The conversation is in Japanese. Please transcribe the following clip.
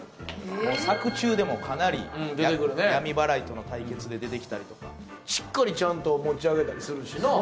もう作中でもかなりうん出てくるね闇祓いとの対決で出てきたりとかしっかりちゃんと持ち上げたりするしな